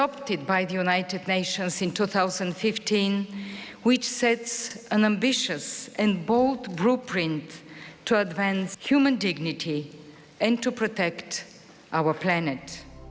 เพื่อสร้างลักษณะชีวิตและปลอดภัยของพระบาท